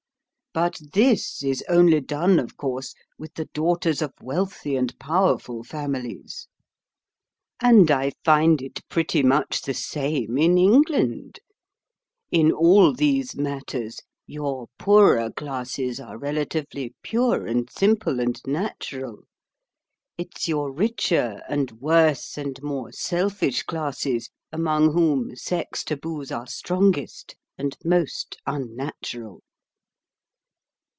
But this is only done, of course, with the daughters of wealthy and powerful families. And I find it pretty much the same in England. In all these matters, your poorer classes are relatively pure and simple and natural. It's your richer and worse and more selfish classes among whom sex taboos are strongest and most unnatural."